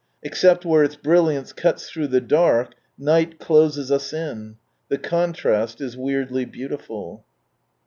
Except where its brilliance cuts through the dark, night closes us in : ihe contrast is weirdly beautiful.